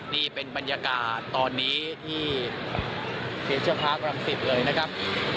นี่เป็นบรรยากาศตอนนี้ที่ฟิลเจอร์พาร์ครังสิตเลยนะครับ